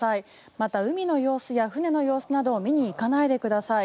また、海の様子や船の様子などを見に行かないでください。